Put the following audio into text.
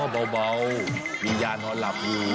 เบามียานอนหลับอยู่